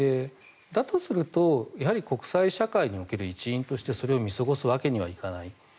だとすると、やはり国際社会における一員としてそれを見過ごすわけにはいかない。